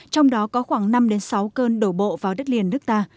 trong đó có khoảng năm sáu cơn đổ bộ vào đất liền nước ta